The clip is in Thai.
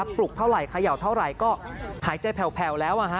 ปลุกเท่าไหย่าเท่าไหร่ก็หายใจแผ่วแล้ว